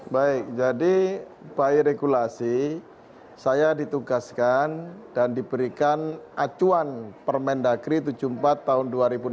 baik jadi by regulasi saya ditugaskan dan diberikan acuan permendagri tujuh puluh empat tahun dua ribu enam belas